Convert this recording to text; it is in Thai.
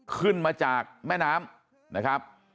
ขึ้นมาจากแม่น้ำนะครับ